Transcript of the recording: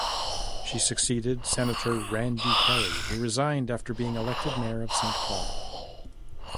She succeeded Senator Randy Kelly, who resigned after being elected mayor of Saint Paul.